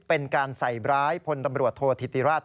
เป็นการใส่ร้ายพลตำรวจโทษธิติราช